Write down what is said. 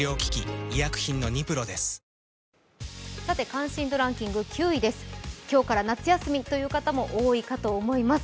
「関心度ランキング」９位です今日から夏休みという方も多いと思います。